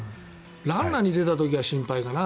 ランナーに出た時が心配かな。